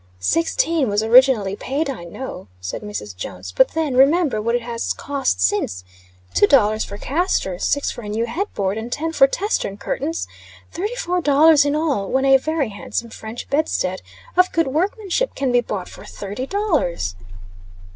"Sixteen was originally paid, I know," said Mrs. Jones. "But then, remember, what it has cost since. Two dollars for castors, six for a new head board, and ten for tester and curtains. Thirty four dollars in all; when a very handsome French bedstead, of good workmanship, can be bought for thirty dollars."